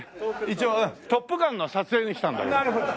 一応『トップガン』の撮影に来たんだけど。